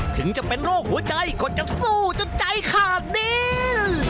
ถึงจะเป็นโรคหัวใจก็จะสู้จนใจขาดดิน